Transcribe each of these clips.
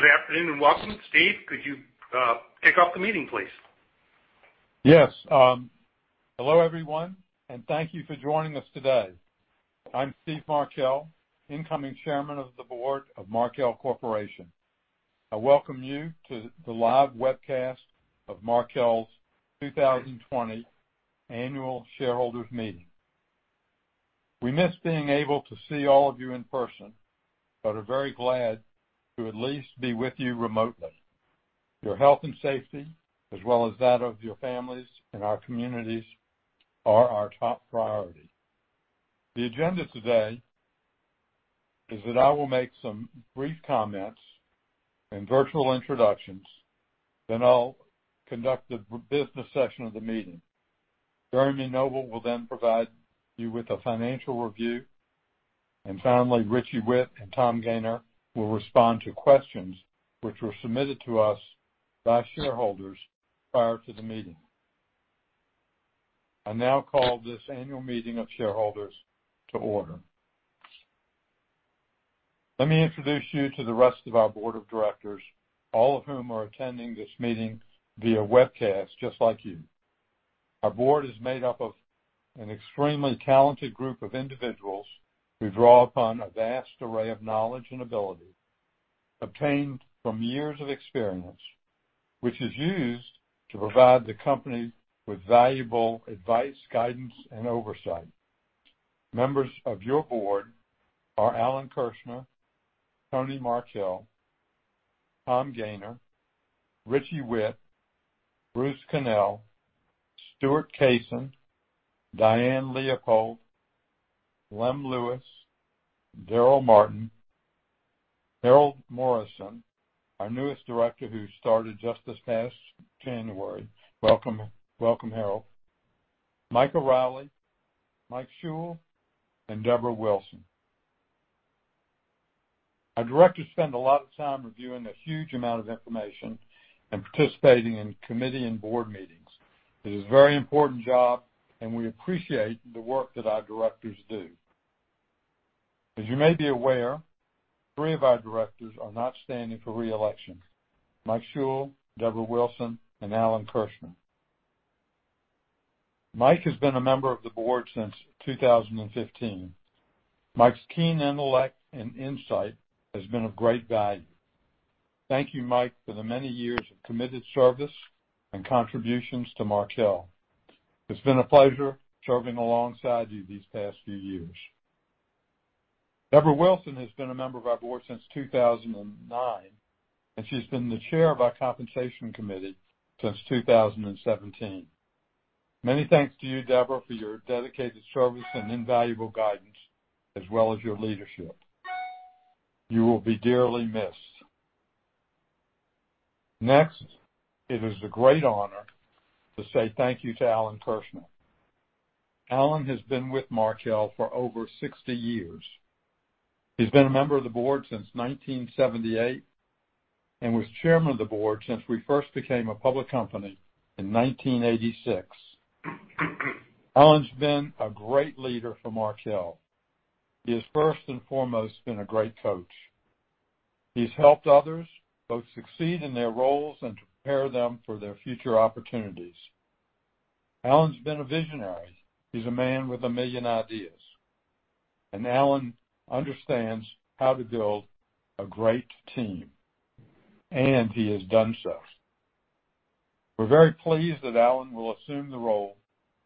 Good afternoon and welcome. Steven, could you kick off the meeting please? Yes. Hello everyone, and thank you for joining us today. I'm Steven Markel, incoming Chairman of the Board of Markel Corporation. I welcome you to the live webcast of Markel's 2020 Annual Shareholders Meeting. We miss being able to see all of you in person, but are very glad to at least be with you remotely. Your health and safety, as well as that of your families and our communities, are our top priority. The agenda today is that I will make some brief comments and virtual introductions, then I'll conduct the business session of the meeting. Jeremy Noble will then provide you with a financial review. Finally, Richie Whitt and Tom Gayner will respond to questions which were submitted to us by shareholders prior to the meeting. I now call this annual meeting of shareholders to order. Let me introduce you to the rest of our board of directors, all of whom are attending this meeting via webcast just like you. Our board is made up of an extremely talented group of individuals who draw upon a vast array of knowledge and ability obtained from years of experience, which is used to provide the company with valuable advice, guidance and oversight. Members of your board are Alan Kirshner, Tony Markel, Tom Gayner, Richie Whitt, Bruce Connell, Stewart Kasen, Diane Leopold, Lem Lewis, Darrell Martin, Harold Morrison, our newest director who started just this past January. Welcome, Harold. Mike O'Reilly, Mike Schull, and Debora Wilson. Our directors spend a lot of time reviewing a huge amount of information and participating in committee and board meetings. It is a very important job and we appreciate the work that our directors do. As you may be aware, three of our directors are not standing for re-election: Mike Schull, Debora Wilson and Alan Kirshner. Mike has been a member of the board since 2015. Mike's keen intellect and insight has been of great value. Thank you, Mike, for the many years of committed service and contributions to Markel. It's been a pleasure serving alongside you these past few years. Debora Wilson has been a member of our board since 2009, and she's been the chair of our compensation committee since 2017. Many thanks to you, Debora, for your dedicated service and invaluable guidance, as well as your leadership. You will be dearly missed. Next, it is a great honor to say thank you to Alan Kirshner. Alan has been with Markel for over 60 years. He's been a member of the board since 1978 and was Chairman of the Board since we first became a public company in 1986. Alan has been a great leader for Markel. He has first and foremost been a great coach. He's helped others both succeed in their roles and to prepare them for their future opportunities. Alan has been a visionary. He's a man with a million ideas, Alan understands how to build a great team, and he has done so. We're very pleased that Alan will assume the role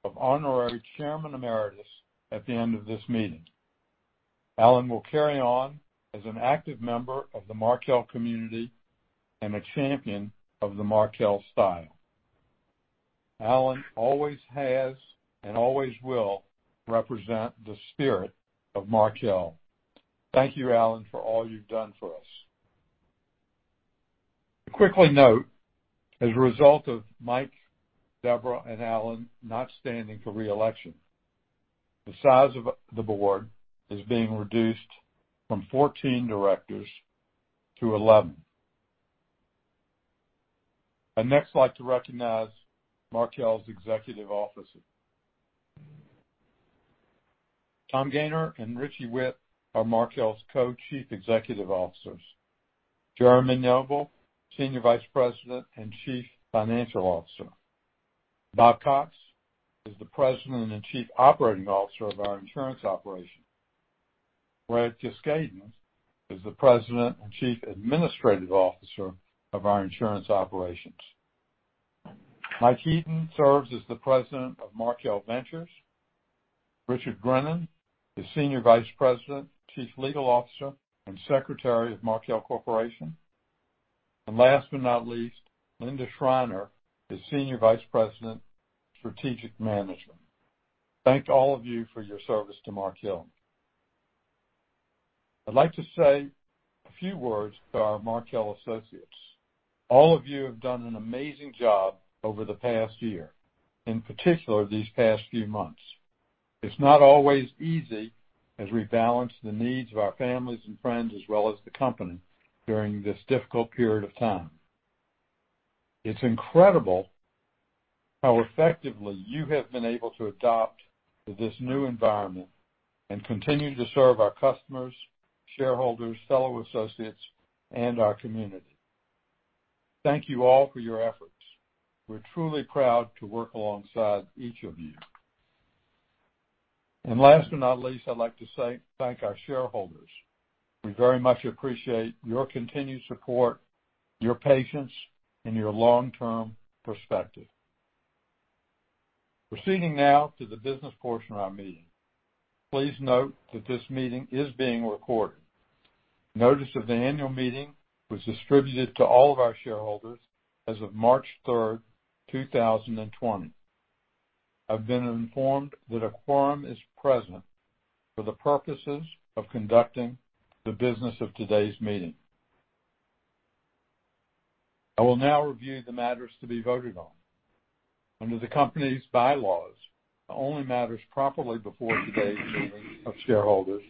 of Honorary Chairman Emeritus at the end of this meeting. Alan will carry on as an active member of the Markel community and a champion of the Markel Style. Alan always has and always will represent the spirit of Markel. Thank you, Alan, for all you've done for us. To quickly note, as a result of Mike, Debora and Alan not standing for re-election, the size of the board is being reduced from 14 directors to 11. I'd next like to recognize Markel's executive officers. Tom Gayner and Richie Whitt are Markel's Co-Chief Executive Officers. Jeremy Noble, Senior Vice President and Chief Financial Officer. Bob Cox is the President and Chief Operating Officer of our insurance operation. Brad Kiscaden is the President and Chief Administrative Officer of our insurance operations. Mike Heaton serves as the President of Markel Ventures. Richard Grinnan is Senior Vice President, Chief Legal Officer, and Secretary of Markel Corporation. Last but not least, Linda Schreiner is Senior Vice President of Strategic Management. Thanks to all of you for your service to Markel. I'd like to say a few words to our Markel associates. All of you have done an amazing job over the past year, in particular these past few months. It's not always easy as we balance the needs of our families and friends, as well as the company, during this difficult period of time. It's incredible how effectively you have been able to adapt to this new environment and continue to serve our customers, shareholders, fellow associates, and our community. Thank you all for your efforts. We're truly proud to work alongside each of you. Last but not least, I'd like to say thank our shareholders. We very much appreciate your continued support, your patience, and your long-term perspective. Proceeding now to the business portion of our meeting. Please note that this meeting is being recorded. Notice of the annual meeting was distributed to all of our shareholders as of March 3rd, 2020. I've been informed that a quorum is present for the purposes of conducting the business of today's meeting. I will now review the matters to be voted on. Under the company's bylaws, the only matters properly before today's meeting of shareholders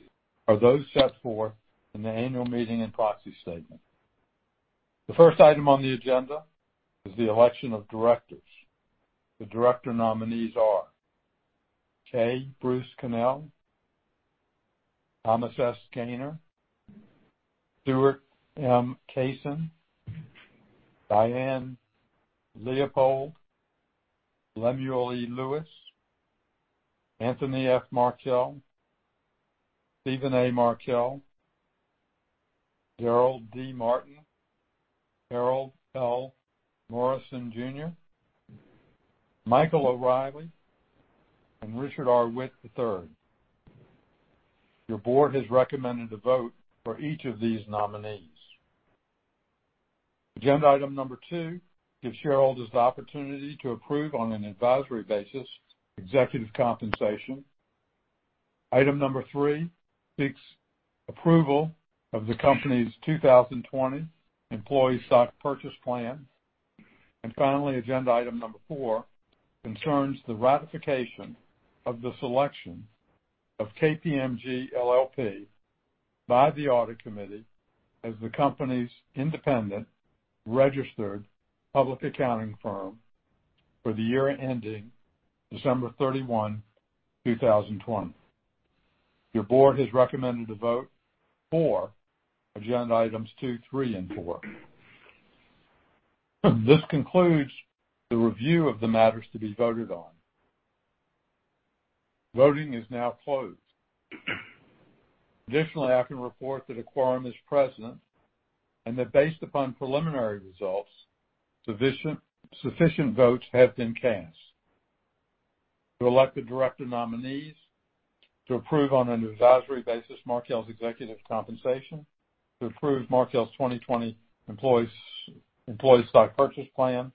are those set forth in the annual meeting and proxy statement. The first item on the agenda is the election of directors. The director nominees are K. Bruce Connell, Thomas S. Gayner, Stewart M. Kasen, Diane Leopold, Lemuel E. Lewis, Anthony F. Markel, Steven A. Markel, Darrell D. Martin, Harold L. Morrison, Jr., Michael O'Reilly, and Richard R. Whitt III. Your board has recommended a vote for each of these nominees. Agenda item number two gives shareholders the opportunity to approve on an advisory basis executive compensation. Item number three seeks approval of the company's 2020 employee stock purchase plan. Finally, agenda item number four concerns the ratification of the selection of KPMG LLP by the audit committee as the company's independent registered public accounting firm for the year ending December 31, 2020. Your board has recommended a vote for agenda items two, three, and four. This concludes the review of the matters to be voted on. Voting is now closed. Additionally, I can report that a quorum is present and that based upon preliminary results, sufficient votes have been cast to elect the director nominees, to approve on an advisory basis Markel's executive compensation, to approve Markel's 2020 employee stock purchase plan,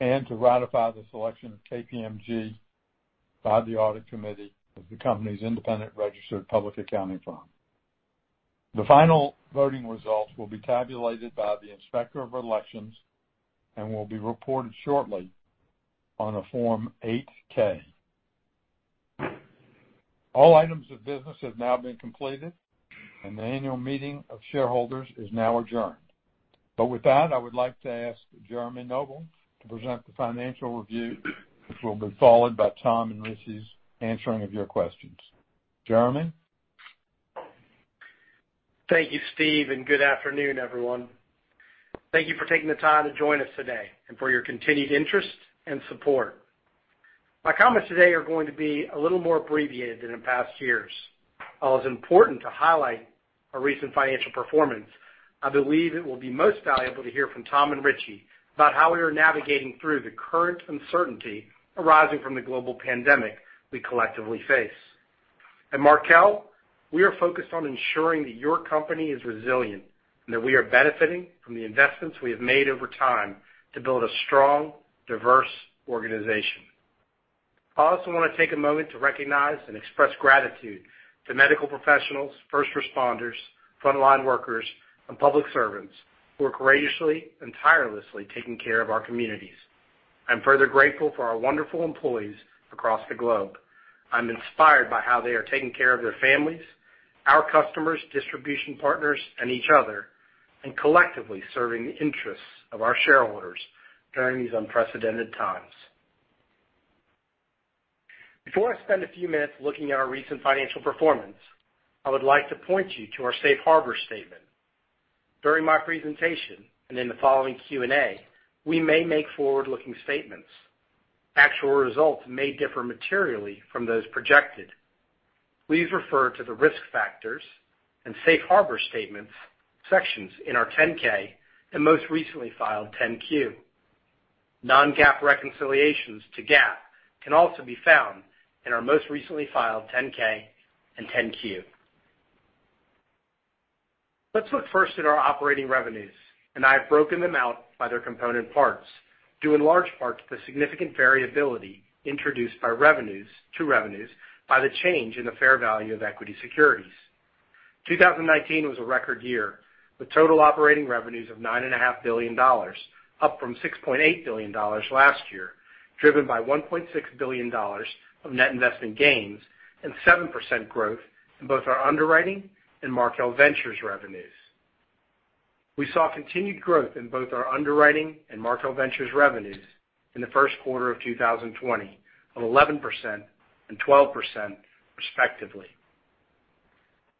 and to ratify the selection of KPMG by the audit committee as the company's independent registered public accounting firm. The final voting results will be tabulated by the Inspector of Elections and will be reported shortly on a Form 8-K. All items of business have now been completed, the annual meeting of shareholders is now adjourned. With that, I would like to ask Jeremy Noble to present the financial review, which will be followed by Tom and Richie's answering of your questions. Jeremy? Thank you, Steve. Good afternoon, everyone. Thank you for taking the time to join us today and for your continued interest and support. My comments today are going to be a little more abbreviated than in past years. While it's important to highlight our recent financial performance, I believe it will be most valuable to hear from Tom and Richie about how we are navigating through the current uncertainty arising from the global pandemic we collectively face. At Markel, we are focused on ensuring that your company is resilient and that we are benefiting from the investments we have made over time to build a strong, diverse organization. I also want to take a moment to recognize and express gratitude to medical professionals, first responders, frontline workers, and public servants who are courageously and tirelessly taking care of our communities. I'm further grateful for our wonderful employees across the globe. I'm inspired by how they are taking care of their families, our customers, distribution partners, and each other, and collectively serving the interests of our shareholders during these unprecedented times. Before I spend a few minutes looking at our recent financial performance, I would like to point you to our Safe Harbor statement. During my presentation and in the following Q&A, we may make forward-looking statements. Actual results may differ materially from those projected. Please refer to the risk factors and Safe Harbor statements sections in our 10-K and most recently filed 10-Q. Non-GAAP reconciliations to GAAP can also be found in our most recently filed 10-K and 10-Q. Let's look first at our operating revenues, and I have broken them out by their component parts, due in large part to the significant variability introduced to revenues by the change in the fair value of equity securities. 2019 was a record year, with total operating revenues of $9.5 billion, up from $6.8 billion last year. Driven by $1.6 billion of net investment gains and 7% growth in both our underwriting and Markel Ventures revenues. We saw continued growth in both our underwriting and Markel Ventures revenues in the first quarter of 2020, of 11% and 12% respectively.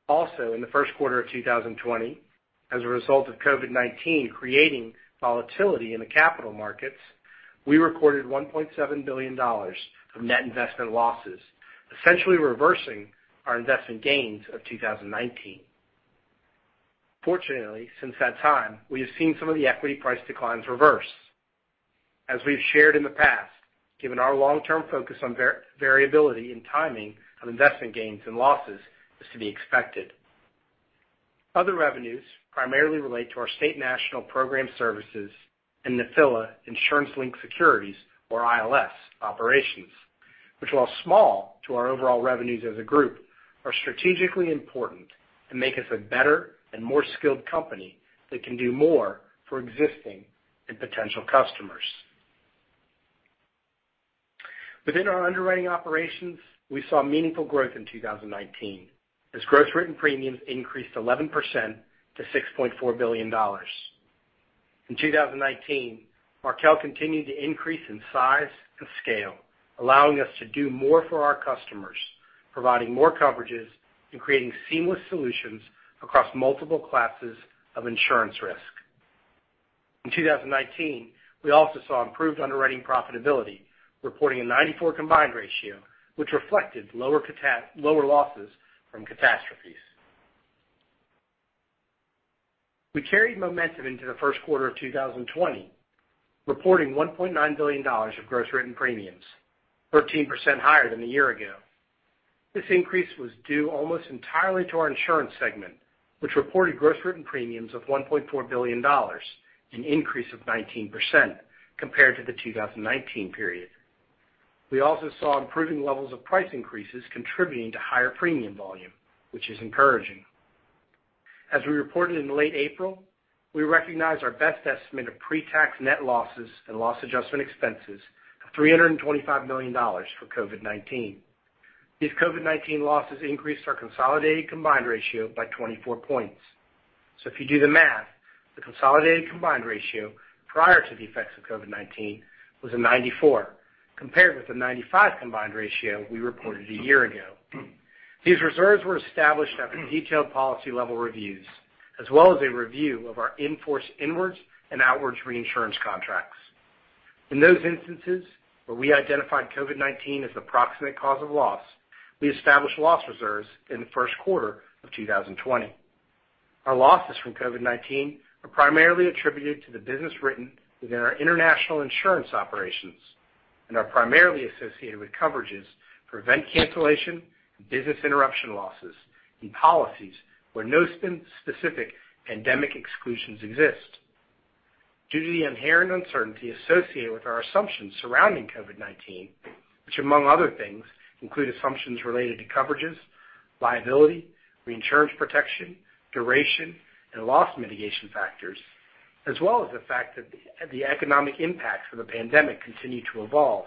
Also in the first quarter of 2020, as a result of COVID-19 creating volatility in the capital markets, we recorded $1.7 billion of net investment losses, essentially reversing our investment gains of 2019. Fortunately, since that time, we have seen some of the equity price declines reverse. As we've shared in the past, given our long-term focus on variability and timing of investment gains and losses is to be expected. Other revenues primarily relate to our State National program services and Nephila insurance-linked securities, or ILS operations, which, while small to our overall revenues as a group, are strategically important and make us a better and more skilled company that can do more for existing and potential customers. Within our underwriting operations, we saw meaningful growth in 2019, as gross written premiums increased 11% to $6.4 billion. In 2019, Markel continued to increase in size and scale, allowing us to do more for our customers, providing more coverages, and creating seamless solutions across multiple classes of insurance risk. In 2019, we also saw improved underwriting profitability, reporting a 94 combined ratio, which reflected lower losses from catastrophes. We carried momentum into the first quarter of 2020, reporting $1.9 billion of gross written premiums, 13% higher than a year ago. This increase was due almost entirely to our insurance segment, which reported gross written premiums of $1.4 billion, an increase of 19% compared to the 2019 period. We also saw improving levels of price increases contributing to higher premium volume, which is encouraging. As we reported in late April, we recognized our best estimate of pre-tax net losses and loss adjustment expenses of $325 million for COVID-19. These COVID-19 losses increased our consolidated combined ratio by 24 points. If you do the math, the consolidated combined ratio prior to the effects of COVID-19 was a 94 compared with the 95 combined ratio we reported a year ago. These reserves were established after detailed policy level reviews, as well as a review of our in-force inwards and outwards reinsurance contracts. In those instances where we identified COVID-19 as the proximate cause of loss, we established loss reserves in the first quarter of 2020. Our losses from COVID-19 are primarily attributed to the business written within our international insurance operations and are primarily associated with coverages for event cancellation and business interruption losses in policies where no specific pandemic exclusions exist. Due to the inherent uncertainty associated with our assumptions surrounding COVID-19, which, among other things, include assumptions related to coverages, liability, reinsurance protection, duration, and loss mitigation factors, as well as the fact that the economic impacts of the pandemic continue to evolve,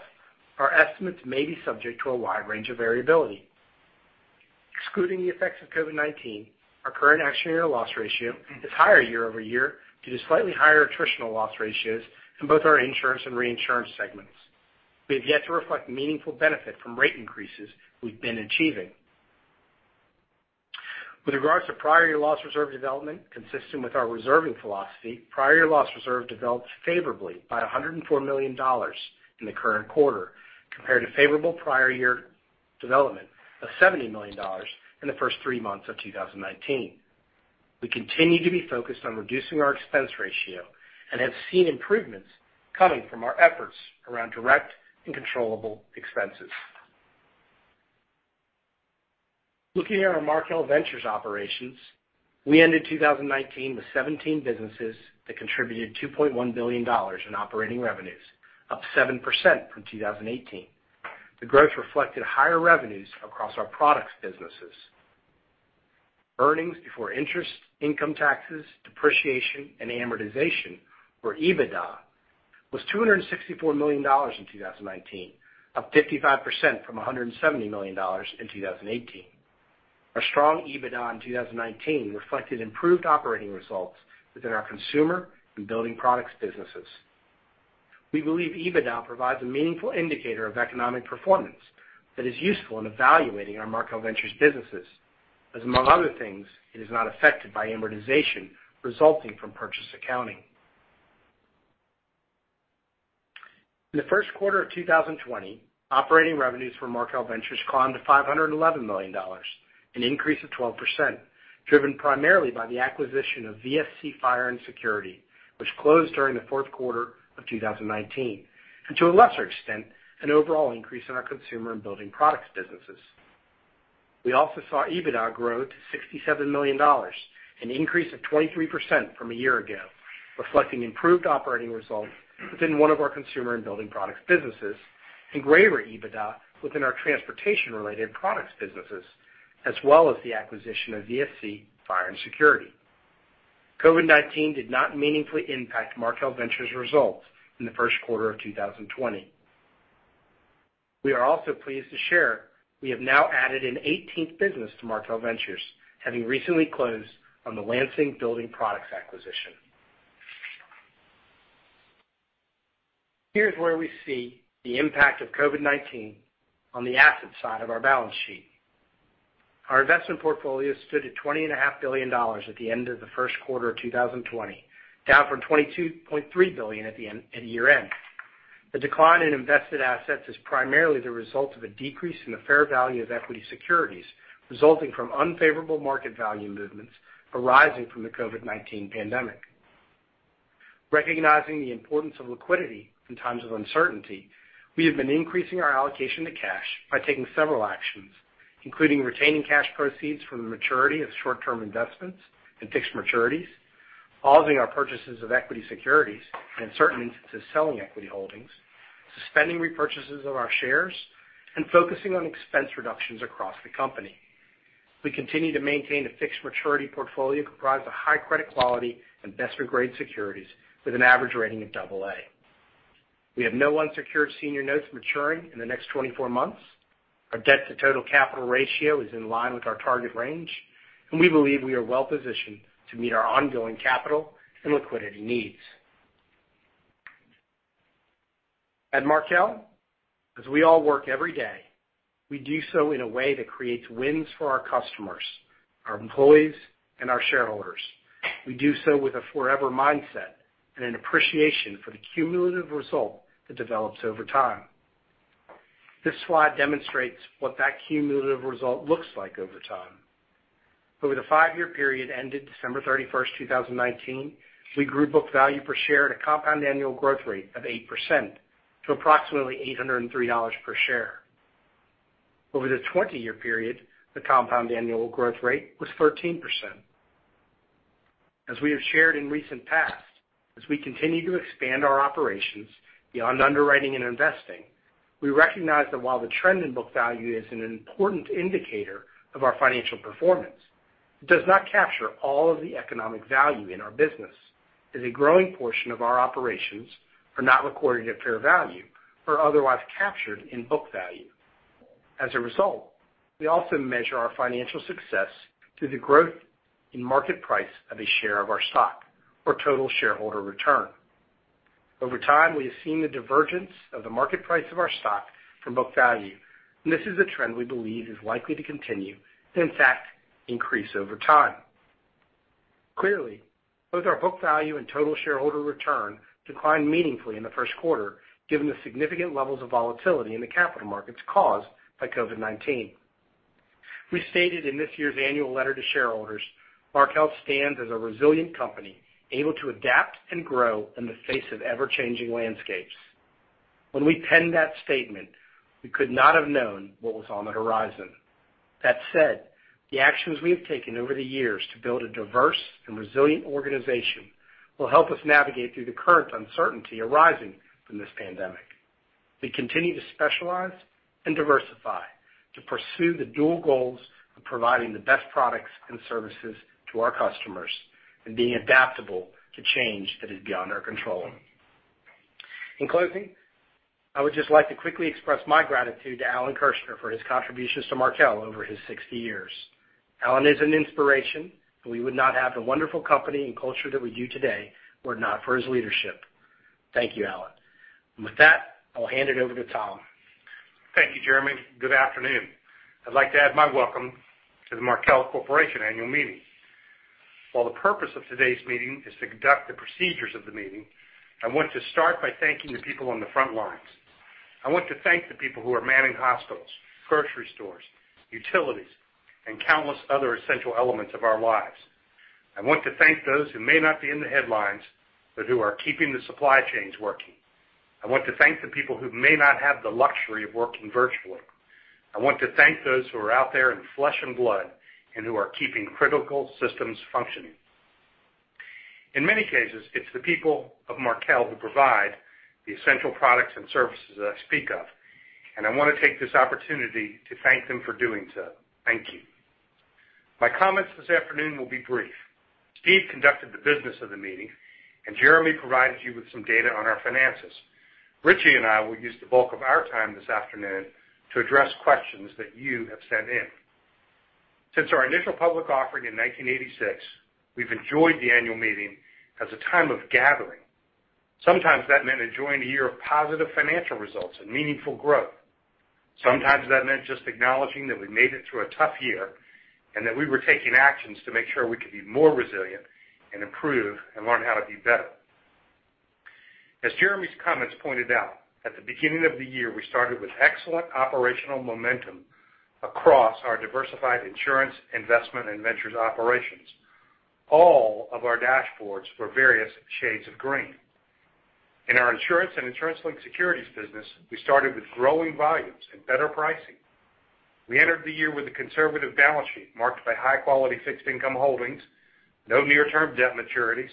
our estimates may be subject to a wide range of variability. Excluding the effects of COVID-19, our current action year loss ratio is higher year-over-year due to slightly higher attritional loss ratios in both our insurance and reinsurance segments. We have yet to reflect meaningful benefit from rate increases we've been achieving. With regards to prior year loss reserve development, consistent with our reserving philosophy, prior year loss reserve developed favorably by $104 million in the current quarter, compared to favorable prior year development of $70 million in the first three months of 2019. We continue to be focused on reducing our expense ratio and have seen improvements coming from our efforts around direct and controllable expenses. Looking at our Markel Ventures operations, we ended 2019 with 17 businesses that contributed $2.1 billion in operating revenues, up 7% from 2018. The growth reflected higher revenues across our products businesses. Earnings before interest, income taxes, depreciation, and amortization, or EBITDA, was $264 million in 2019, up 55% from $170 million in 2018. Our strong EBITDA in 2019 reflected improved operating results within our consumer and building products businesses. We believe EBITDA provides a meaningful indicator of economic performance that is useful in evaluating our Markel Ventures businesses, as among other things, it is not affected by amortization resulting from purchase accounting. In the first quarter of 2020, operating revenues for Markel Ventures climbed to $511 million, an increase of 12%, driven primarily by the acquisition of VSC Fire & Security, which closed during the fourth quarter of 2019, and to a lesser extent, an overall increase in our consumer and building products businesses. We also saw EBITDA grow to $67 million, an increase of 23% from a year ago, reflecting improved operating results within one of our consumer and building products businesses, and greater EBITDA within our transportation-related products businesses, as well as the acquisition of VSC Fire & Security. COVID-19 did not meaningfully impact Markel Ventures results in the first quarter of 2020. We are also pleased to share we have now added an 18th business to Markel Ventures, having recently closed on the Lansing Building Products acquisition. Here's where we see the impact of COVID-19 on the asset side of our balance sheet. Our investment portfolio stood at $20.5 billion at the end of the first quarter of 2020, down from $22.3 billion at year-end. The decline in invested assets is primarily the result of a decrease in the fair value of equity securities, resulting from unfavorable market value movements arising from the COVID-19 pandemic. Recognizing the importance of liquidity in times of uncertainty, we have been increasing our allocation to cash by taking several actions, including retaining cash proceeds from the maturity of short-term investments and fixed maturities, pausing our purchases of equity securities, and in certain instances, selling equity holdings, suspending repurchases of our shares, and focusing on expense reductions across the company. We continue to maintain a fixed maturity portfolio comprised of high credit quality, investor-grade securities with an average rating of double A. We have no unsecured senior notes maturing in the next 24 months. Our debt-to-total capital ratio is in line with our target range. We believe we are well-positioned to meet our ongoing capital and liquidity needs. At Markel, as we all work every day, we do so in a way that creates wins for our customers, our employees, and our shareholders. We do so with a forever mindset and an appreciation for the cumulative result that develops over time. This slide demonstrates what that cumulative result looks like over time. Over the five-year period ended December 31st, 2019, we grew book value per share at a compound annual growth rate of 8% to approximately $803 per share. Over the 20-year period, the compound annual growth rate was 13%. As we have shared in recent past, as we continue to expand our operations beyond underwriting and investing, we recognize that while the trend in book value is an important indicator of our financial performance, it does not capture all of the economic value in our business, as a growing portion of our operations are not recorded at fair value or otherwise captured in book value. As a result, we also measure our financial success through the growth in market price of a share of our stock or total shareholder return. Over time, we have seen the divergence of the market price of our stock from book value, this is a trend we believe is likely to continue, in fact, increase over time. Clearly, both our book value and total shareholder return declined meaningfully in the first quarter, given the significant levels of volatility in the capital markets caused by COVID-19. We stated in this year's annual letter to shareholders, Markel stands as a resilient company, able to adapt and grow in the face of ever-changing landscapes. When we penned that statement, we could not have known what was on the horizon. That said, the actions we have taken over the years to build a diverse and resilient organization will help us navigate through the current uncertainty arising from this pandemic. We continue to specialize and diversify to pursue the dual goals of providing the best products and services to our customers and being adaptable to change that is beyond our control. In closing, I would just like to quickly express my gratitude to Alan Kirshner for his contributions to Markel over his 60 years. Alan is an inspiration. We would not have the wonderful company and culture that we do today were it not for his leadership. Thank you, Alan. With that, I will hand it over to Tom. Thank you, Jeremy. Good afternoon. I'd like to add my welcome to the Markel Corporation Annual Meeting. While the purpose of today's meeting is to conduct the procedures of the meeting, I want to start by thanking the people on the front lines. I want to thank the people who are manning hospitals, grocery stores, utilities, and countless other essential elements of our lives. I want to thank those who may not be in the headlines, but who are keeping the supply chains working. I want to thank the people who may not have the luxury of working virtually. I want to thank those who are out there in flesh and blood and who are keeping critical systems functioning. In many cases, it's the people of Markel who provide the essential products and services that I speak of, and I want to take this opportunity to thank them for doing so. Thank you. My comments this afternoon will be brief. Steve conducted the business of the meeting, and Jeremy provided you with some data on our finances. Richie and I will use the bulk of our time this afternoon to address questions that you have sent in. Since our initial public offering in 1986, we've enjoyed the annual meeting as a time of gathering. Sometimes that meant enjoying a year of positive financial results and meaningful growth. Sometimes that meant just acknowledging that we made it through a tough year, and that we were taking actions to make sure we could be more resilient and improve and learn how to be better. As Jeremy's comments pointed out, at the beginning of the year, we started with excellent operational momentum across our diversified insurance, investment, and ventures operations. All of our dashboards were various shades of green. In our insurance and insurance-linked securities business, we started with growing volumes and better pricing. We entered the year with a conservative balance sheet marked by high-quality fixed income holdings, no near-term debt maturities,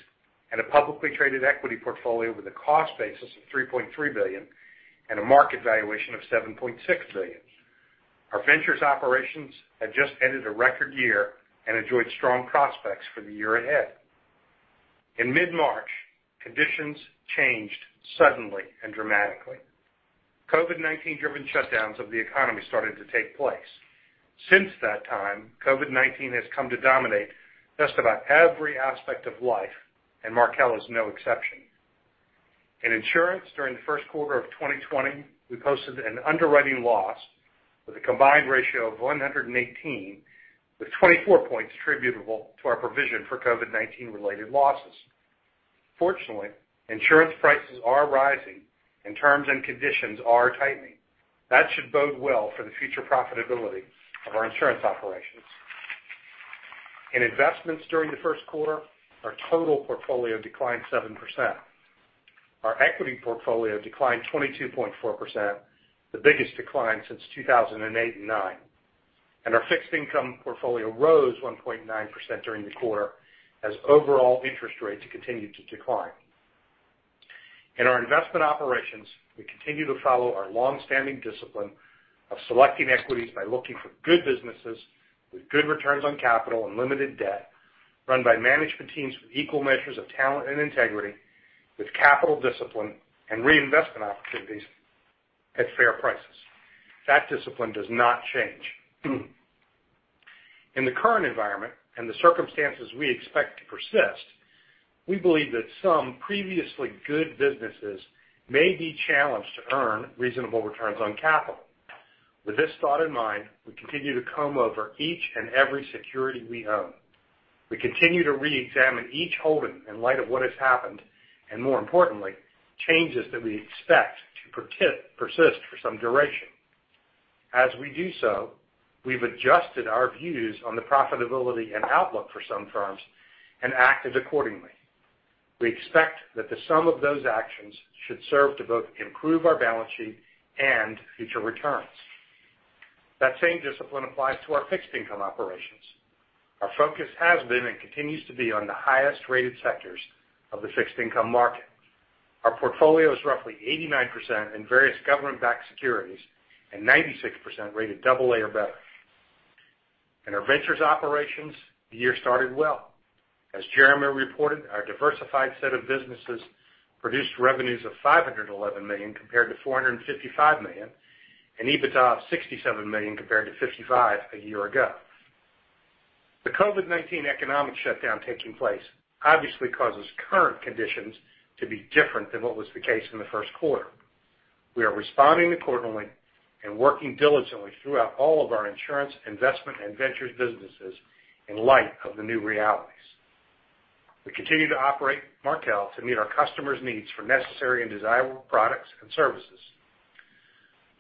and a publicly traded equity portfolio with a cost basis of $3.3 billion and a market valuation of $7.6 billion. Our ventures operations had just ended a record year and enjoyed strong prospects for the year ahead. In mid-March, conditions changed suddenly and dramatically. COVID-19 driven shutdowns of the economy started to take place. Since that time, COVID-19 has come to dominate just about every aspect of life, and Markel is no exception. In insurance during the first quarter of 2020, we posted an underwriting loss with a combined ratio of 118, with 24 points attributable to our provision for COVID-19 related losses. Fortunately, insurance prices are rising and terms and conditions are tightening. That should bode well for the future profitability of our insurance operations. In investments during the first quarter, our total portfolio declined 7%. Our equity portfolio declined 22.4%, the biggest decline since 2008 and 2009. Our fixed income portfolio rose 1.9% during the quarter as overall interest rates continued to decline. In our investment operations, we continue to follow our longstanding discipline of selecting equities by looking for good businesses with good returns on capital and limited debt, run by management teams with equal measures of talent and integrity, with capital discipline and reinvestment opportunities at fair prices. That discipline does not change. In the current environment and the circumstances we expect to persist, we believe that some previously good businesses may be challenged to earn reasonable returns on capital. With this thought in mind, we continue to comb over each and every security we own. We continue to reexamine each holding in light of what has happened, and more importantly, changes that we expect to persist for some duration. As we do so, we've adjusted our views on the profitability and outlook for some firms and acted accordingly. We expect that the sum of those actions should serve to both improve our balance sheet and future returns. That same discipline applies to our fixed income operations. Our focus has been and continues to be on the highest-rated sectors of the fixed income market. Our portfolio is roughly 89% in various government-backed securities and 96% rated double A or better. In our Ventures operations, the year started well. As Jeremy reported, our diversified set of businesses produced revenues of $511 million compared to $455 million, and EBITDA of $67 million compared to $55 million a year ago. The COVID-19 economic shutdown taking place obviously causes current conditions to be different than what was the case in the first quarter. We are responding accordingly and working diligently throughout all of our insurance, investment, and Ventures businesses in light of the new realities. We continue to operate Markel to meet our customers' needs for necessary and desirable products and services.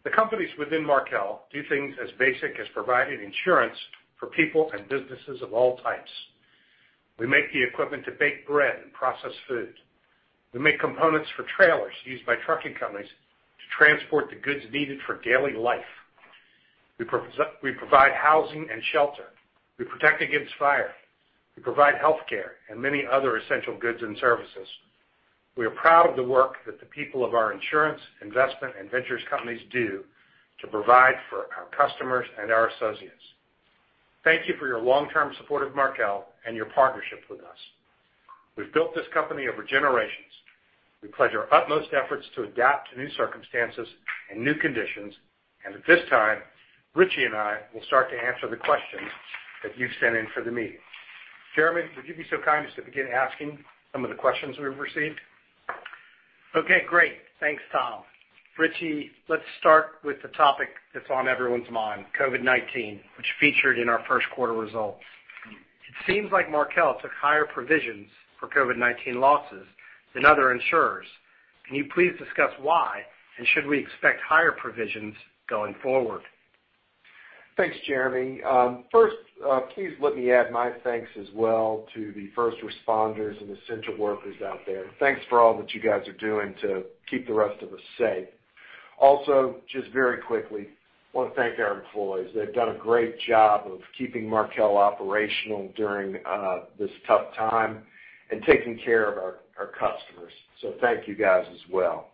The companies within Markel do things as basic as providing insurance for people and businesses of all types. We make the equipment to bake bread and process food. We make components for trailers used by trucking companies to transport the goods needed for daily life. We provide housing and shelter. We protect against fire. We provide healthcare and many other essential goods and services. We are proud of the work that the people of our insurance, investment, and Ventures companies do to provide for our customers and our associates. Thank you for your long-term support of Markel and your partnership with us. We've built this company over generations. We pledge our utmost efforts to adapt to new circumstances and new conditions. At this time, Richie and I will start to answer the questions that you've sent in for the meeting. Jeremy, would you be so kind as to begin asking some of the questions we've received? Okay, great. Thanks, Tom. Richie, let's start with the topic that's on everyone's mind, COVID-19, which featured in our first quarter results. It seems like Markel took higher provisions for COVID-19 losses than other insurers. Can you please discuss why, and should we expect higher provisions going forward? Thanks, Jeremy. Please let me add my thanks as well to the first responders and essential workers out there. Thanks for all that you guys are doing to keep the rest of us safe. Just very quickly, I want to thank our employees. They've done a great job of keeping Markel operational during this tough time and taking care of our customers. Thank you guys as well.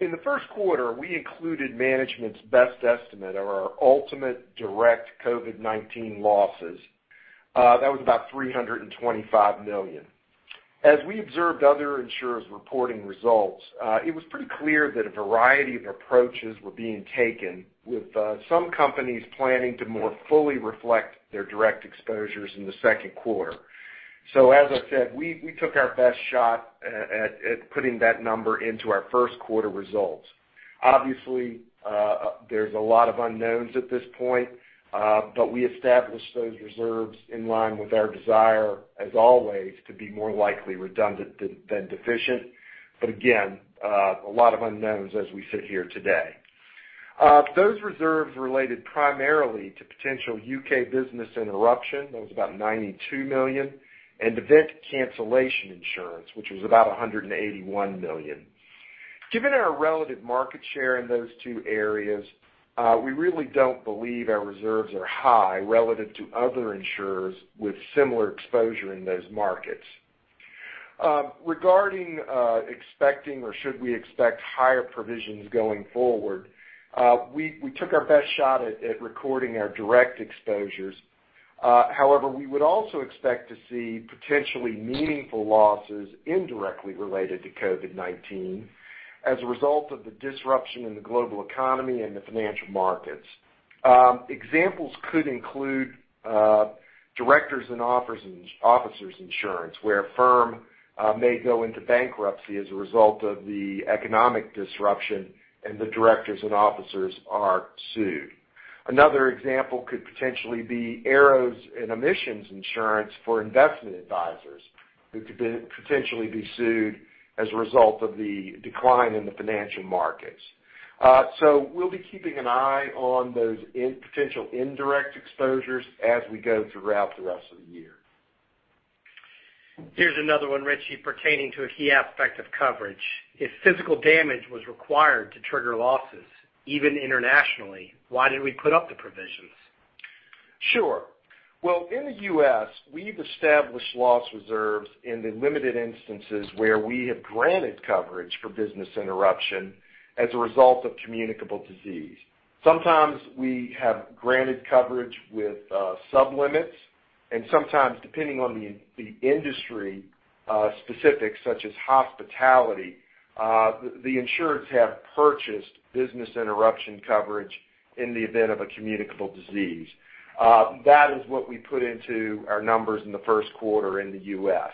In the first quarter, we included management's best estimate of our ultimate direct COVID-19 losses. That was about $325 million. As we observed other insurers reporting results, it was pretty clear that a variety of approaches were being taken with some companies planning to more fully reflect their direct exposures in the second quarter. As I said, we took our best shot at putting that number into our first quarter results. Obviously, there's a lot of unknowns at this point, we established those reserves in line with our desire, as always, to be more likely redundant than deficient. Again, a lot of unknowns as we sit here today. Those reserves related primarily to potential U.K. business interruption insurance, that was about $92 million, and event cancellation insurance, which was about $181 million. Given our relative market share in those two areas, we really don't believe our reserves are high relative to other insurers with similar exposure in those markets. Regarding expecting or should we expect higher provisions going forward, we took our best shot at recording our direct exposures. However, we would also expect to see potentially meaningful losses indirectly related to COVID-19 as a result of the disruption in the global economy and the financial markets. Examples could include directors and officers insurance, where a firm may go into bankruptcy as a result of the economic disruption and the directors and officers are sued. Another example could potentially be errors and omissions insurance for investment advisors who could potentially be sued as a result of the decline in the financial markets. We'll be keeping an eye on those potential indirect exposures as we go throughout the rest of the year. Here's another one, Richie, pertaining to a key aspect of coverage. If physical damage was required to trigger losses, even internationally, why did we put up the provisions? Sure. Well, in the U.S., we've established loss reserves in the limited instances where we have granted coverage for business interruption as a result of communicable disease. Sometimes we have granted coverage with sub-limits, and sometimes depending on the industry specifics, such as hospitality, the insureds have purchased business interruption coverage in the event of a communicable disease. That is what we put into our numbers in the first quarter in the U.S.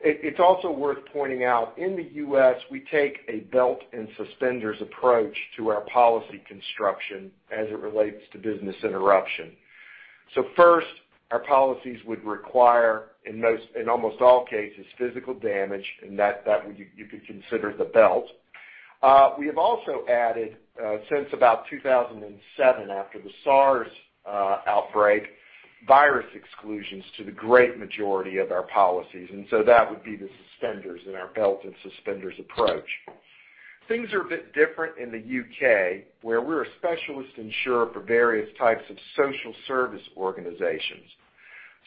It's also worth pointing out, in the U.S., we take a belt and suspenders approach to our policy construction as it relates to business interruption. First, our policies would require, in almost all cases, physical damage, and that you could consider the belt. We have also added, since about 2007, after the SARS outbreak, virus exclusions to the great majority of our policies, and that would be the suspenders in our belt and suspenders approach. Things are a bit different in the U.K., where we're a specialist insurer for various types of social service organizations.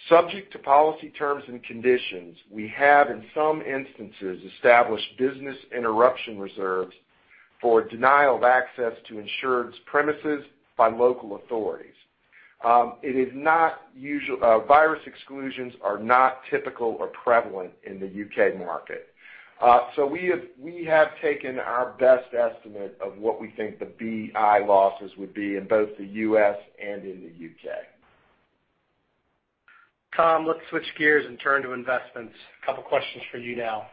Subject to policy terms and conditions, we have, in some instances, established business interruption reserves for denial of access to insured's premises by local authorities. Virus exclusions are not typical or prevalent in the U.K. market. We have taken our best estimate of what we think the BI losses would be in both the U.S. and in the U.K. Tom, let's switch gears and turn to investments. A couple of questions for you now.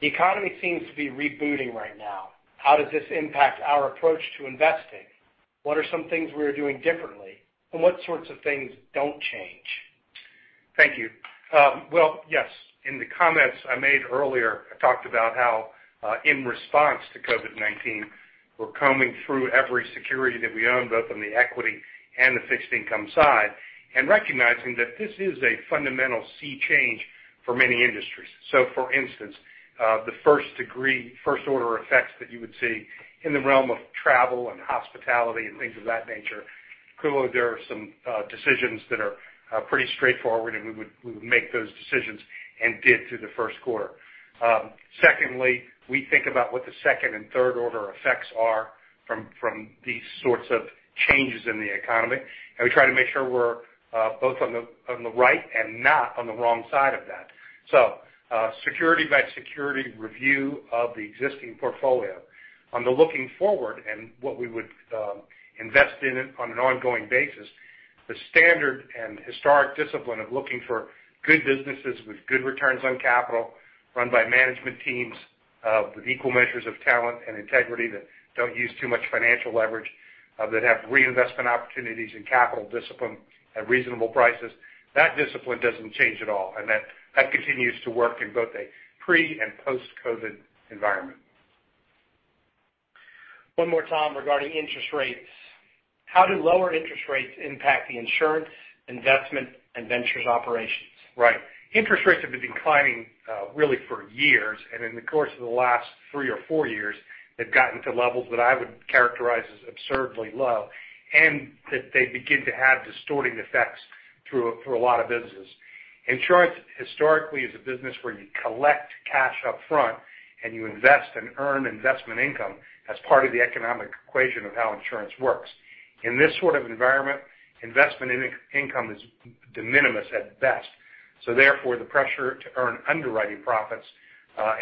The economy seems to be rebooting right now. How does this impact our approach to investing? What are some things we are doing differently, and what sorts of things don't change? Thank you. Well, yes. In the comments I made earlier, I talked about how, in response to COVID-19, we're combing through every security that we own, both on the equity and the fixed income side, and recognizing that this is a fundamental sea change for many industries. For instance, the first-degree, first-order effects that you would see in the realm of travel and hospitality and things of that nature, clearly there are some decisions that are pretty straightforward, and we would make those decisions and did through the first quarter. Secondly, we think about what the second and third-order effects are from these sorts of changes in the economy. We try to make sure we're both on the right and not on the wrong side of that. Security by security review of the existing portfolio. On the looking forward and what we would invest in on an ongoing basis, the standard and historic discipline of looking for good businesses with good returns on capital, run by management teams with equal measures of talent and integrity that don't use too much financial leverage, that have reinvestment opportunities and capital discipline at reasonable prices. That discipline doesn't change at all, and that continues to work in both a pre- and post-COVID environment. One more, Tom, regarding interest rates. How do lower interest rates impact the insurance, investment, and Markel Ventures operations? Right. Interest rates have been declining really for years, and in the course of the last three or four years, they've gotten to levels that I would characterize as absurdly low, and that they begin to have distorting effects through a lot of businesses. Insurance historically is a business where you collect cash up front and you invest and earn investment income as part of the economic equation of how insurance works. In this sort of environment, investment income is de minimis at best. Therefore, the pressure to earn underwriting profits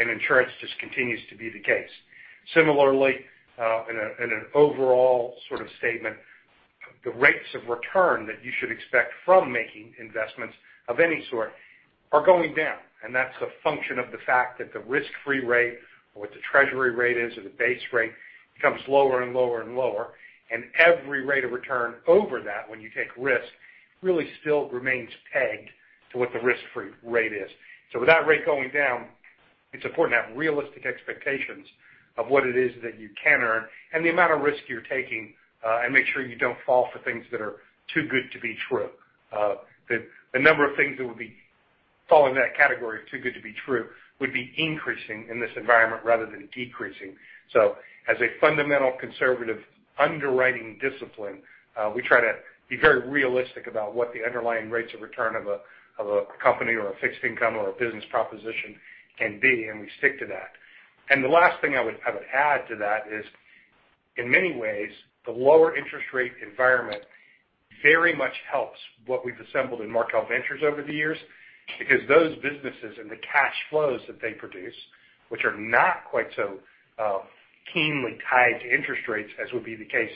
in insurance just continues to be the case. Similarly, in an overall sort of statement, the rates of return that you should expect from making investments of any sort are going down, and that's a function of the fact that the risk-free rate or what the treasury rate is or the base rate becomes lower and lower and lower. Every rate of return over that when you take risk really still remains pegged to what the risk-free rate is. With that rate going down, it's important to have realistic expectations of what it is that you can earn and the amount of risk you're taking, and make sure you don't fall for things that are too good to be true. The number of things that would be falling in that category of too good to be true would be increasing in this environment rather than decreasing. As a fundamental conservative underwriting discipline, we try to be very realistic about what the underlying rates of return of a company or a fixed income or a business proposition can be, and we stick to that. And the last thing I would add to that is in many ways, the lower interest rate environment very much helps what we've assembled in Markel Ventures over the years, because those businesses and the cash flows that they produce, which are not quite so keenly tied to interest rates as would be the case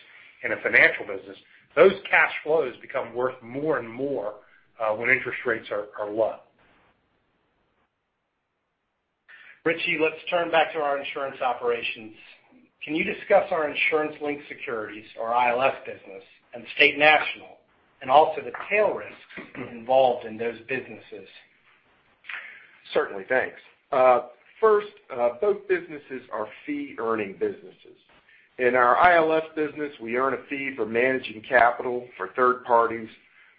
in a financial business, those cash flows become worth more and more when interest rates are low. Richie, let's turn back to our insurance operations. Can you discuss our insurance-linked securities, or ILS business, and State National, and also the tail risks involved in those businesses? Certainly. Thanks. First, both businesses are fee-earning businesses. In our ILS business, we earn a fee for managing capital for third parties,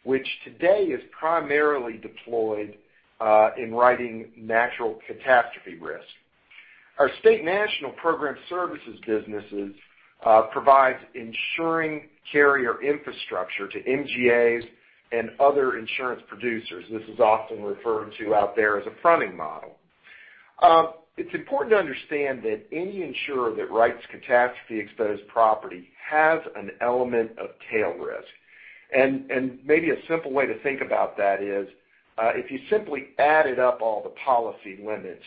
which today is primarily deployed in writing natural catastrophe risk. Our State National program services businesses provides insuring carrier infrastructure to MGAs and other insurance producers. This is often referred to out there as a fronting model. It's important to understand that any insurer that writes catastrophe-exposed property has an element of tail risk. And maybe a simple way to think of that is, if you simply added up all the policy limits,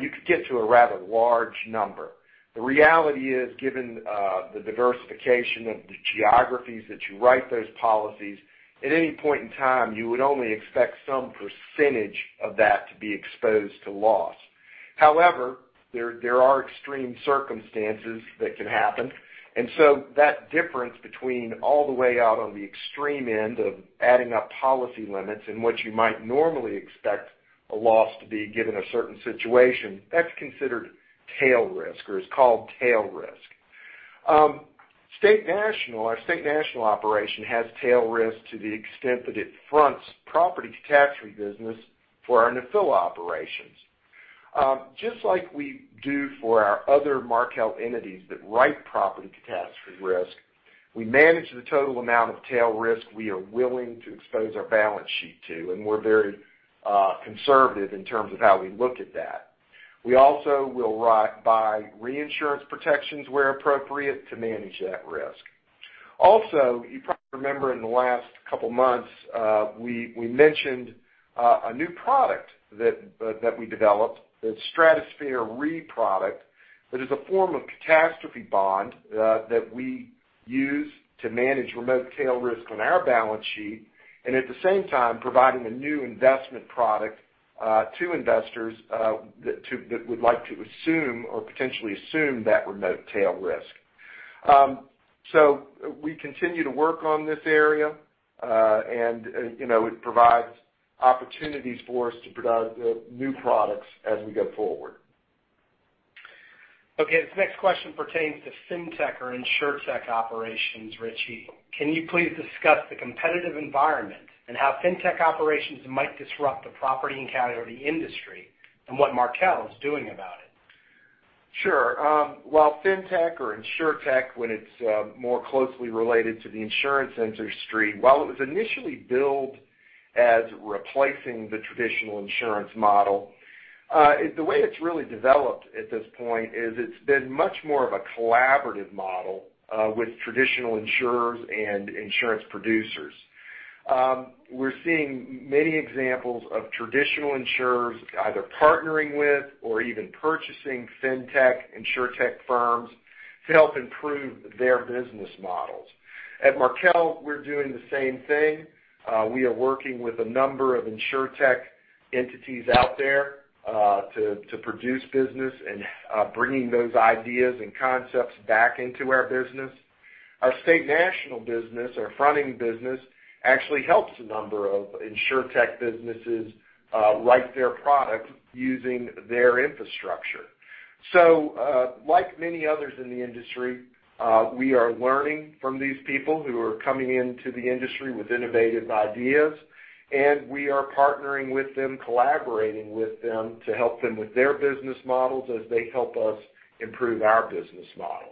you could get to a rather large number. The reality is, given the diversification of the geographies that you write those policies, at any point in time, you would only expect some % of that to be exposed to loss. There are extreme circumstances that can happen, and so that difference between all the way out on the extreme end of adding up policy limits and what you might normally expect a loss to be given a certain situation, that's considered tail risk or is called tail risk. State National, our State National operation has tail risk to the extent that it fronts property catastrophe business for our Nephila operations. Just like we do for our other Markel entities that write property catastrophe risk, we manage the total amount of tail risk we are willing to expose our balance sheet to, and we're very conservative in terms of how we look at that. We also will buy reinsurance protections where appropriate to manage that risk. You probably remember in the last couple of months, we mentioned a new product that we developed, the Stratosphere Re product, that is a form of catastrophe bond that we use to manage remote tail risk on our balance sheet, and at the same time, providing a new investment product to investors that would like to assume or potentially assume that remote tail risk. We continue to work on this area, and it provides opportunities for us to produce new products as we go forward. This next question pertains to fintech or insurtech operations, Richie. Can you please discuss the competitive environment and how fintech operations might disrupt the property and casualty industry, and what Markel is doing about it? Sure. While fintech or insurtech, when it's more closely related to the insurance industry, while it was initially billed as replacing the traditional insurance model, the way it's really developed at this point is it's been much more of a collaborative model with traditional insurers and insurance producers. We're seeing many examples of traditional insurers either partnering with or even purchasing fintech/insurtech firms to help improve their business models. At Markel, we're doing the same thing. We are working with a number of insurtech entities out there to produce business and bringing those ideas and concepts back into our business. Our State National business, our fronting business, actually helps a number of insurtech businesses write their product using their infrastructure. Like many others in the industry, we are learning from these people who are coming into the industry with innovative ideas, and we are partnering with them, collaborating with them to help them with their business models as they help us improve our business model.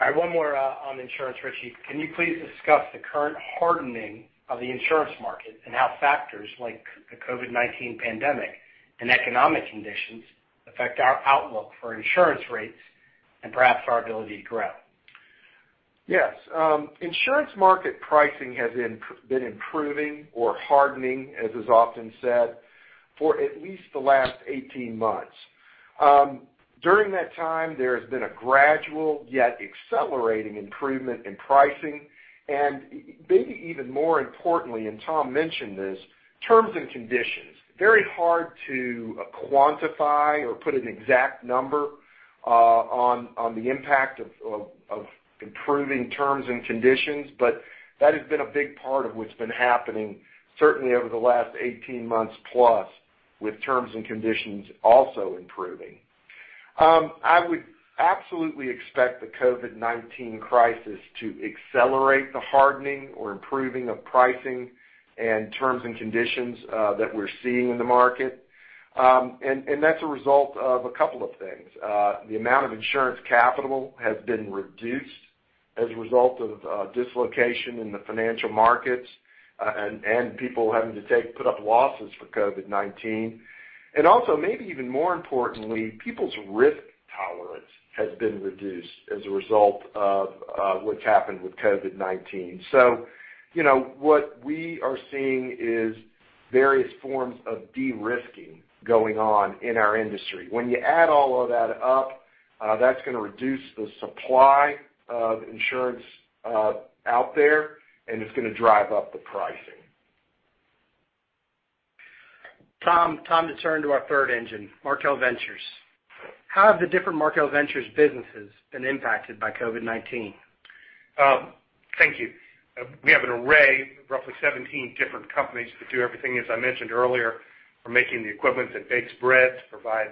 I have one more on insurance, Richie. Can you please discuss the current hardening of the insurance market and how factors like the COVID-19 pandemic and economic conditions affect our outlook for insurance rates and perhaps our ability to grow? Yes. Insurance market pricing has been improving or hardening, as is often said, for at least the last 18 months. During that time, there has been a gradual, yet accelerating improvement in pricing, maybe even more importantly, Tom mentioned this, terms and conditions. Very hard to quantify or put an exact number on the impact of improving terms and conditions, but that has been a big part of what's been happening, certainly over the last 18 months plus, with terms and conditions also improving. I would absolutely expect the COVID-19 crisis to accelerate the hardening or improving of pricing and terms and conditions that we're seeing in the market. That's a result of a couple of things. The amount of insurance capital has been reduced as a result of dislocation in the financial markets, and people having to put up losses for COVID-19, and also maybe even more importantly, people's risk tolerance has been reduced as a result of what's happened with COVID-19. What we are seeing is various forms of de-risking going on in our industry. When you add all of that up, that's going to reduce the supply of insurance out there, and it's going to drive up the pricing. Tom, time to turn to our third engine, Markel Ventures. How have the different Markel Ventures businesses been impacted by COVID-19? Thank you. We have an array of roughly 17 different companies that do everything, as I mentioned earlier, from making the equipment that bakes bread, to provide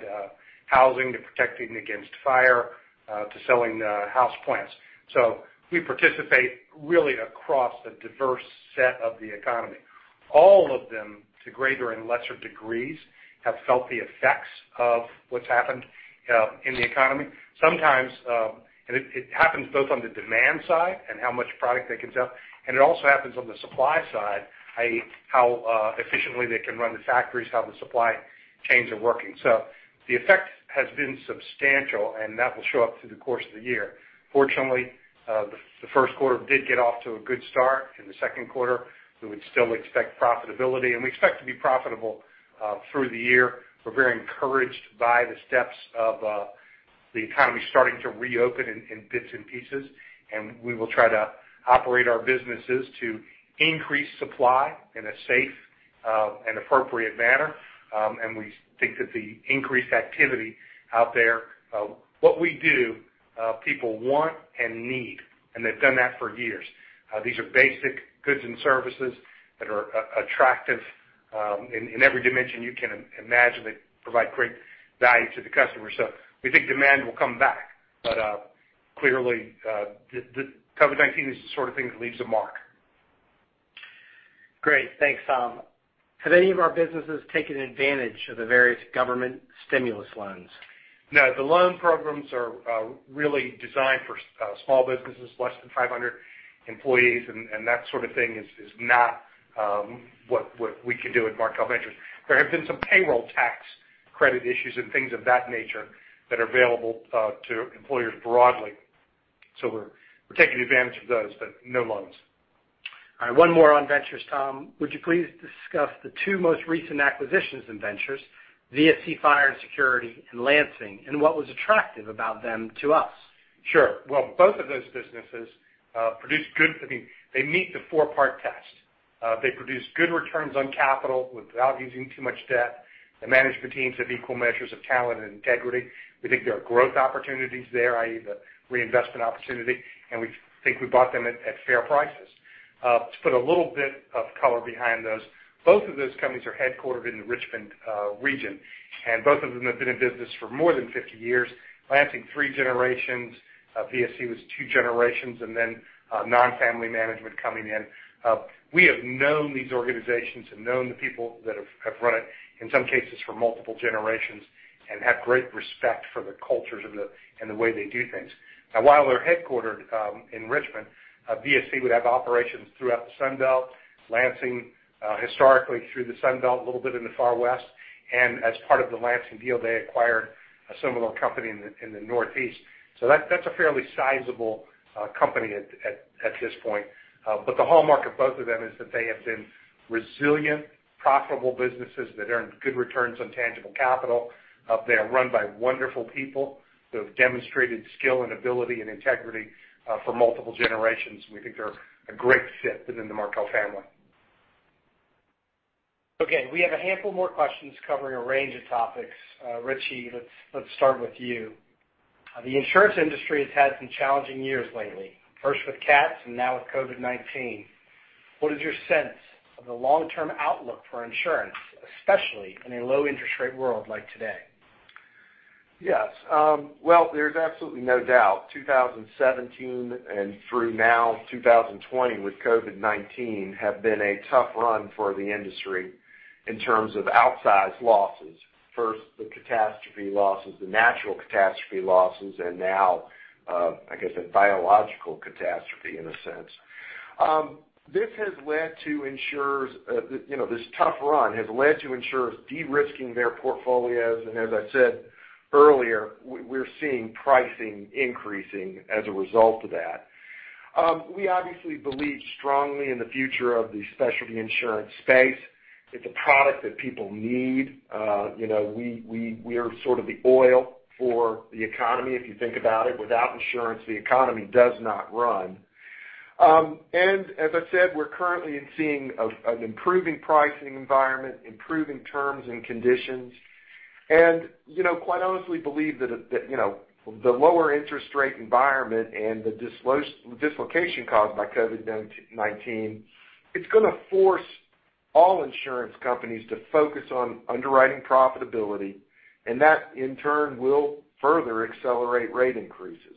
housing, to protecting against fire, to selling house plants. We participate really across a diverse set of the economy. All of them, to greater and lesser degrees, have felt the effects of what's happened in the economy. Sometimes it happens both on the demand side and how much product they can sell, and it also happens on the supply side, i.e., how efficiently they can run the factories, how the supply chains are working. The effect has been substantial, and that will show up through the course of the year. Fortunately, the first quarter did get off to a good start. In the second quarter, we would still expect profitability, and we expect to be profitable through the year. We're very encouraged by the steps of the economy starting to reopen in bits and pieces. We will try to operate our businesses to increase supply in a safe and appropriate manner. We think that the increased activity out there, what we do, people want and need, and they've done that for years. These are basic goods and services that are attractive in every dimension you can imagine that provide great value to the customer. We think demand will come back. Clearly, the COVID-19 is the sort of thing that leaves a mark. Great. Thanks, Tom. Have any of our businesses taken advantage of the various government stimulus loans? No, the loan programs are really designed for small businesses, less than 500 employees, and that sort of thing is not what we can do at Markel Ventures. There have been some payroll tax credit issues and things of that nature that are available to employers broadly. We're taking advantage of those, but no loans. All right. One more on Ventures, Tom. Would you please discuss the two most recent acquisitions in Ventures, VSC Fire & Security, and Lansing, and what was attractive about them to us? Well, both of those businesses meet the four-part test. They produce good returns on capital without using too much debt. The management teams have equal measures of talent and integrity. We think there are growth opportunities there, i.e., the reinvestment opportunity, and we think we bought them at fair prices. To put a little bit of color behind those, both of those companies are headquartered in the Richmond region, and both of them have been in business for more than 50 years. Lansing, three generations. VSC was two generations, and then non-family management coming in. We have known these organizations and known the people that have run it, in some cases, for multiple generations and have great respect for the cultures and the way they do things. While they're headquartered in Richmond, VSC would have operations throughout the Sun Belt, Lansing, historically through the Sun Belt, a little bit in the far west. As part of the Lansing deal, they acquired a similar company in the Northeast. That's a fairly sizable company at this point. The hallmark of both of them is that they have been resilient, profitable businesses that earn good returns on tangible capital. They are run by wonderful people who have demonstrated skill and ability and integrity for multiple generations, and we think they're a great fit within the Markel family. We have a handful more questions covering a range of topics. Richie, let's start with you. The insurance industry has had some challenging years lately, first with cats and now with COVID-19. What is your sense of the long-term outlook for insurance, especially in a low interest rate world like today? There's absolutely no doubt, 2017 and through now, 2020 with COVID-19 have been a tough run for the industry in terms of outsized losses. First, the catastrophe losses, the natural catastrophe losses, now, I guess a biological catastrophe in a sense. This tough run has led to insurers de-risking their portfolios, as I said earlier, we're seeing pricing increasing as a result of that. We obviously believe strongly in the future of the specialty insurance space. It's a product that people need. We are sort of the oil for the economy, if you think about it. Without insurance, the economy does not run. As I said, we're currently seeing an improving pricing environment, improving terms and conditions, and quite honestly believe that the lower interest rate environment and the dislocation caused by COVID-19, it's going to force all insurance companies to focus on underwriting profitability, and that in turn will further accelerate rate increases.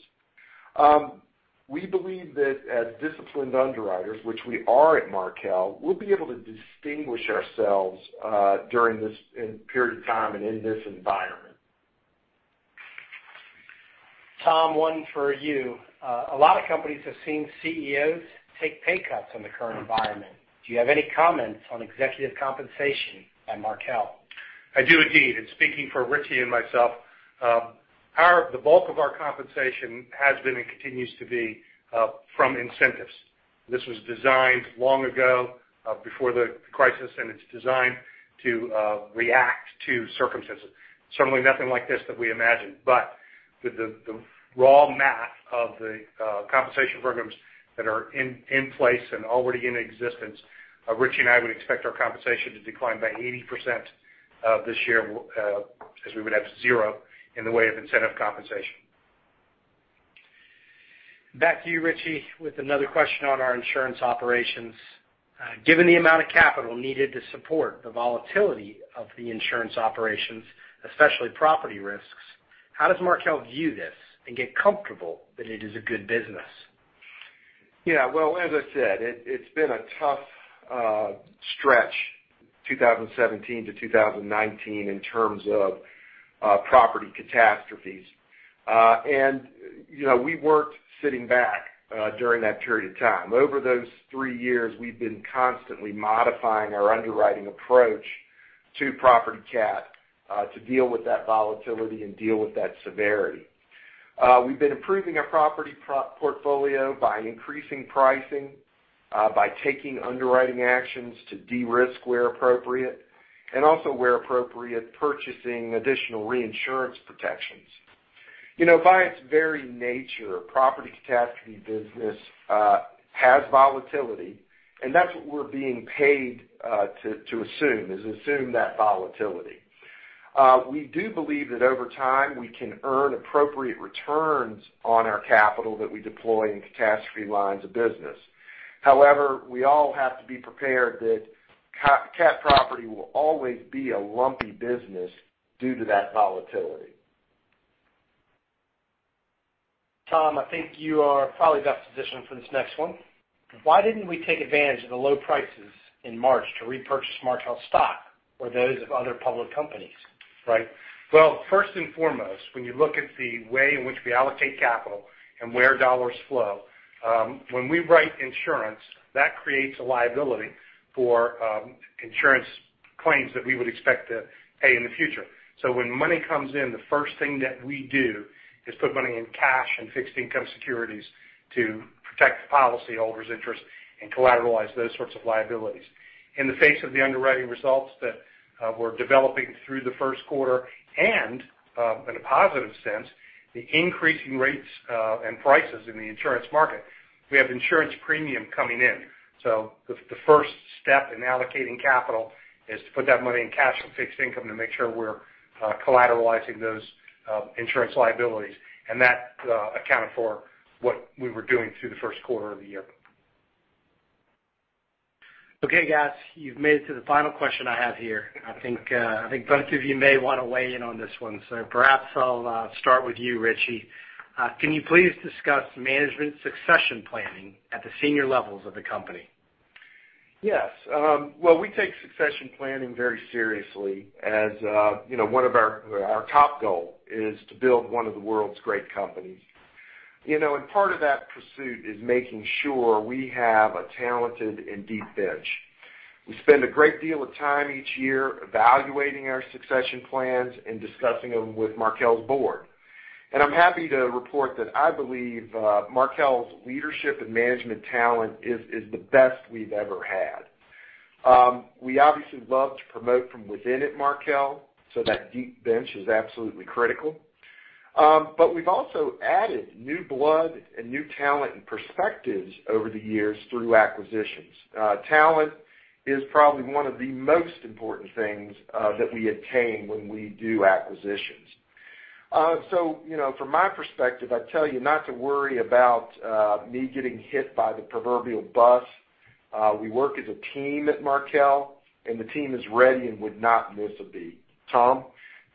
We believe that as disciplined underwriters, which we are at Markel, we'll be able to distinguish ourselves during this period of time and in this environment. Tom, one for you. A lot of companies have seen CEOs take pay cuts in the current environment. Do you have any comments on executive compensation at Markel? I do indeed. Speaking for Richie and myself, the bulk of our compensation has been and continues to be from incentives. This was designed long ago, before the crisis, and it's designed to react to circumstances. Certainly nothing like this that we imagined. With the raw math of the compensation programs that are in place and already in existence, Richie and I would expect our compensation to decline by 80% this year, as we would have zero in the way of incentive compensation. Back to you, Richie, with another question on our insurance operations. Given the amount of capital needed to support the volatility of the insurance operations, especially property risks, how does Markel view this and get comfortable that it is a good business? Well, as I said, it's been a tough stretch, 2017 to 2019, in terms of property catastrophes. We weren't sitting back during that period of time. Over those three years, we've been constantly modifying our underwriting approach to property cat, to deal with that volatility and deal with that severity. We've been improving our property portfolio by increasing pricing, by taking underwriting actions to de-risk where appropriate, and also where appropriate, purchasing additional reinsurance protections. By its very nature, property catastrophe business has volatility, and that's what we're being paid to assume, is assume that volatility. We do believe that over time, we can earn appropriate returns on our capital that we deploy in catastrophe lines of business. However, we all have to be prepared that cat property will always be a lumpy business due to that volatility. Tom, I think you are probably best positioned for this next one. Why didn't we take advantage of the low prices in March to repurchase Markel stock or those of other public companies? Right. Well, first and foremost, when you look at the way in which we allocate capital and where dollars flow, when we write insurance, that creates a liability for insurance claims that we would expect to pay in the future. When money comes in, the first thing that we do is put money in cash and fixed income securities to protect the policyholders' interest and collateralize those sorts of liabilities. In the face of the underwriting results that were developing through the first quarter and, in a positive sense, the increasing rates and prices in the insurance market, we have insurance premium coming in. The first step in allocating capital is to put that money in cash and fixed income to make sure we're collateralizing those insurance liabilities. That accounted for what we were doing through the first quarter of the year. Okay, guys, you've made it to the final question I have here. I think both of you may want to weigh in on this one, so perhaps I'll start with you, Richie. Can you please discuss management succession planning at the senior levels of the company? Yes. Well, we take succession planning very seriously as one of our top goal is to build one of the world's great companies. Part of that pursuit is making sure we have a talented and deep bench. We spend a great deal of time each year evaluating our succession plans and discussing them with Markel's board. I'm happy to report that I believe Markel's leadership and management talent is the best we've ever had. We obviously love to promote from within at Markel, so that deep bench is absolutely critical. We've also added new blood and new talent and perspectives over the years through acquisitions. Talent is probably one of the most important things that we attain when we do acquisitions. From my perspective, I'd tell you not to worry about me getting hit by the proverbial bus. We work as a team at Markel, and the team is ready and would not miss a beat. Tom?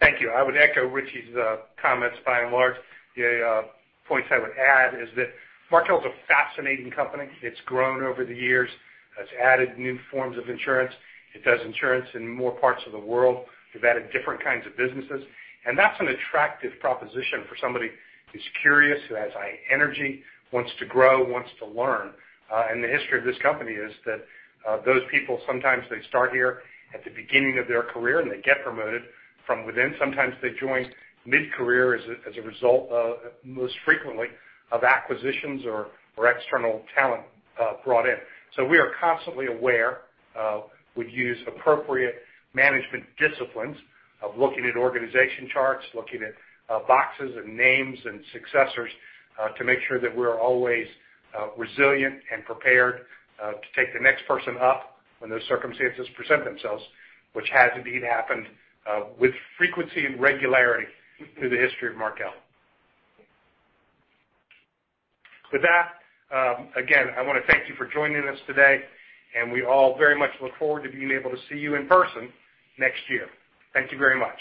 Thank you. I would echo Richie's comments by and large. The points I would add is that Markel is a fascinating company. It's grown over the years, has added new forms of insurance. It does insurance in more parts of the world. We've added different kinds of businesses, and that's an attractive proposition for somebody who's curious, who has high energy, wants to grow, wants to learn. The history of this company is that those people, sometimes they start here at the beginning of their career, and they get promoted from within. Sometimes they join mid-career as a result of, most frequently, of acquisitions or external talent brought in. We are constantly aware. We use appropriate management disciplines of looking at organization charts, looking at boxes and names and successors, to make sure that we're always resilient and prepared to take the next person up when those circumstances present themselves, which has indeed happened with frequency and regularity through the history of Markel. With that, again, I want to thank you for joining us today, and we all very much look forward to being able to see you in person next year. Thank you very much.